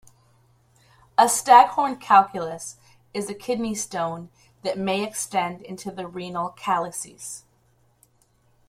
A "Staghorn calculus" is a kidney stone that may extend into the renal calyces.